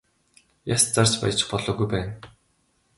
Яс зарж баяжих болоогүй байна аа.